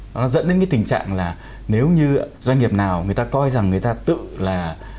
nó dẫn đến cái tình trạng là nếu như doanh nghiệp nào người ta coi rằng người ta tự là